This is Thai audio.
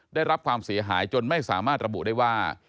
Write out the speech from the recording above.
ได้รับความเสียหายจนไม่สามารถระบุได้ว่า